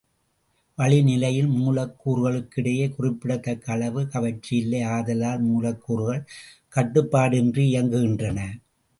வளிநிலையில் மூலக்கூறுகளுக்கிடையே குறிப்பிடத் தக்க அளவு கவர்ச்சி இல்லை ஆதலால், மூலக்கூறுகள் கட்டுப்பாடின்றி இயங்குகின்றன.